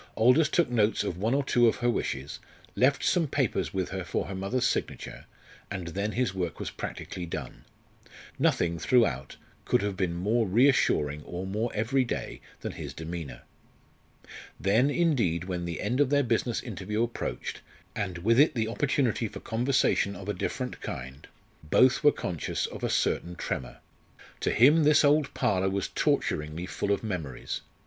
Aldous took notes of one or two of her wishes, left some papers with her for her mother's signature, and then his work was practically done. Nothing, throughout, could have been more reassuring or more everyday than his demeanour. Then, indeed, when the end of their business interview approached, and with it the opportunity for conversation of a different kind, both were conscious of a certain tremor. To him this old parlour was torturingly full of memories.